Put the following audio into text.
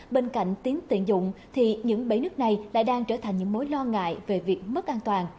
bên cạnh tiến tiện dụng thì những bể nước này lại đang trở thành những mối lo ngại về việc mất an toàn